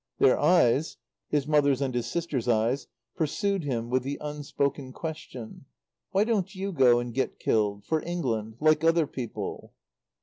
Their eyes his mother's and his sister's eyes pursued him with the unspoken question: "Why don't you go and get killed for England like other people?"